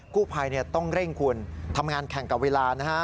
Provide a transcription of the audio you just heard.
กู้ภัยต้องเร่งคุณทำงานแข่งกับเวลานะฮะ